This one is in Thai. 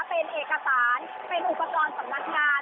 เป็นเอกสารเป็นอุปกรณ์สำนักงาน